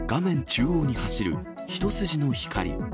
中央に走る一筋の光。